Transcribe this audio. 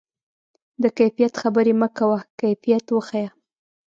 د کیفیت خبرې مه کوه، کیفیت وښیه.